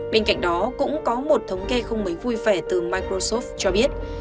bên cạnh đó cũng có một thống kê không mấy vui vẻ từ microsoff cho biết